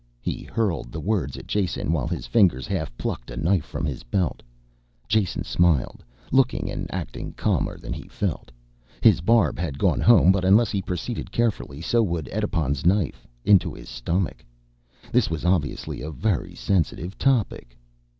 He hurled the words at Jason while his fingers half plucked a knife from his belt. Jason smiled, looking and acting calmer than he felt. His barb had gone home, but unless he proceeded carefully so would Edipon's knife into his stomach. This was obviously a very sensitive topic.